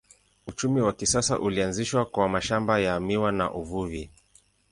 Uchumi wa kisasa ulianzishwa kwa mashamba ya miwa na uvuvi.